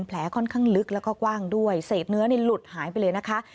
แผลค่อนข้างลึกแล้วก็กว้างด้วยเศษเนื้อนี่หลุดหายไปเลยนะคะ